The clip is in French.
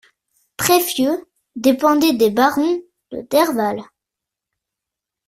Treffieux dépendait des barons de Derval.